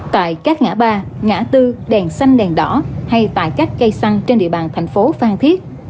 tại các ngã ba ngã tư đèn xanh đèn đỏ hay tại các cây xăng trên địa bàn thành phố phan thiết